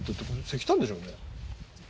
石炭でしょうね。